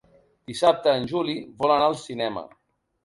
Dissabte en Juli vol anar al cinema.